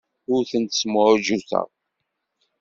Ur tent-smuɛjuteɣ.